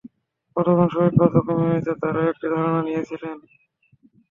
কতজন শহীদ বা জখমী হয়েছে তারও একটি ধারণা নিয়েছিলেন।